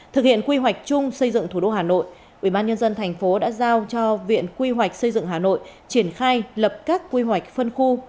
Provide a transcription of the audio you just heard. thực hiện quy hoạch chung xây dựng thủ đô hà nội ủy ban nhân dân tp đã giao cho viện quy hoạch xây dựng hà nội triển khai lập các quy hoạch phân khu